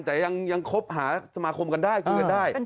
แต่ยังคบหาสมาคมกันได้คุยกันได้